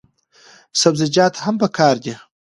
سبزیجات هم پکار دي.